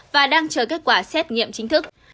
và đang chờ kết quả xét nghiệm chính thức